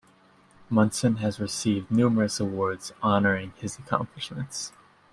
Munson has received numerous awards honoring his accomplishments.